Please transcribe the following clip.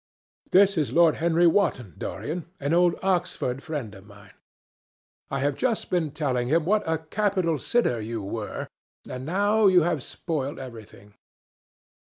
"This is Lord Henry Wotton, Dorian, an old Oxford friend of mine. I have just been telling him what a capital sitter you were, and now you have spoiled everything."